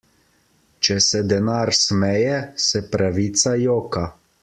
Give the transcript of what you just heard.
Če se denar smeje, se pravica joka.